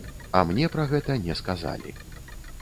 А мне пра гэта не сказалі.